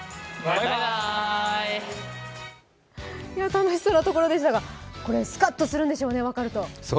楽しそうなところでしたが、スカッとするんでしょうね、分かると。